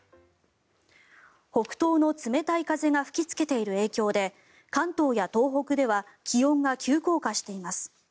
北東の冷たい風が吹きつけている影響で関東や東北では気温が急降下しています。